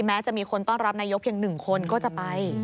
แม้จะมีคนต้อนรับนายกเพียง๑คนก็จะไป